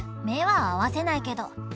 目は合わせないけど。